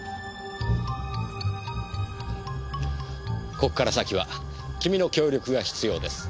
ここから先は君の協力が必要です。